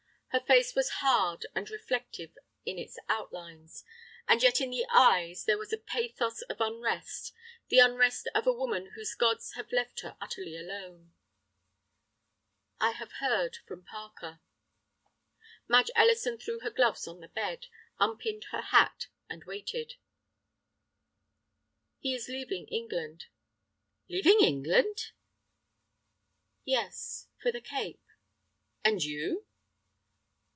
Her face was hard and reflective in its outlines. And yet in the eyes there was a pathos of unrest, the unrest of a woman whose gods have left her utterly alone. "I have heard from Parker." Madge Ellison threw her gloves on the bed, unpinned her hat, and waited. "He is leaving England." "Leaving England?" "Yes, for the Cape." "And you?"